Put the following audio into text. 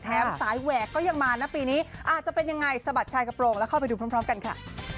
สายแหวกก็ยังมานะปีนี้อาจจะเป็นยังไงสะบัดชายกระโปรงแล้วเข้าไปดูพร้อมกันค่ะ